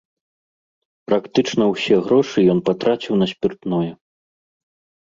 Практычна ўсе грошы ён патраціў на спіртное.